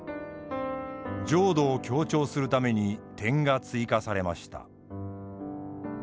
浄土を強調するために点が追加されました。